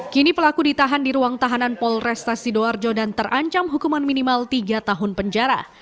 kini pelaku ditahan di ruang tahanan polresta sidoarjo dan terancam hukuman minimal tiga tahun penjara